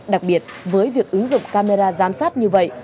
đặc biệt với việc ứng dụng camera giám sát như vậy